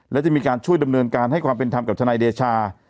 และจะมีการช่วยดำเนินการให้ความเป็นธรรมกับทนายเดชา